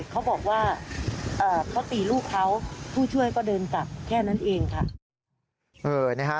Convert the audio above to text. เขาบอกว่าเขาตีลูกเขาผู้ช่วยก็เดินกลับแค่นั้นเองค่ะ